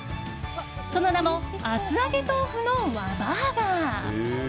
その名も厚揚げとうふの和バーガー。